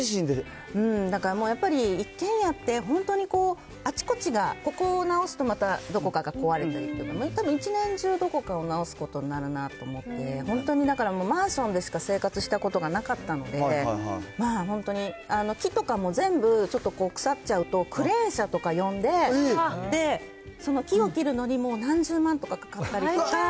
だから、もうやっぱり、一軒家って本当にこう、あちこちがここを直すとまたどこかが壊れたり、何回も、一年中どこかを直すことになるなと思って、本当にだから、マンションでしか生活したことがなかったので、まあ、本当に木とかも全部、ちょっと腐っちゃうと、クレーン車とか呼んで、その木を切るのにも、何十万とかかかったりとか。